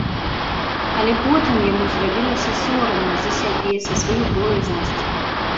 Але потым яму зрабілася сорамна за сябе, за сваю боязнасць.